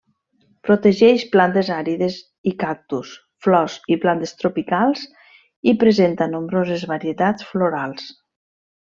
Protegeix plantes àrides i cactus, flors i plantes tropicals i presenta nombroses varietats florals.